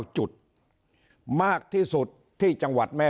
จุดมากที่สุดที่จังหวัดแม่